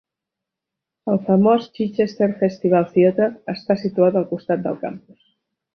El famós Chichester Festival Theatre està situat al costat del campus.